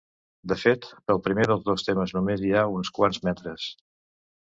De fet, pel primer dels dos termes només hi fa uns quants metres.